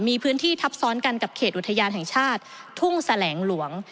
มีพื้นที่ทับซ้อนกันกับเขตอุทยานแห่งชาติทุ่งแสลงหลวง